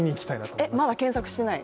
えっ、まだ検索してない？